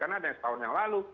karena ada yang setahun yang lalu